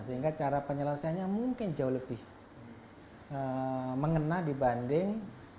sehingga cara penyelesaiannya mungkin jauh lebih mengena dibanding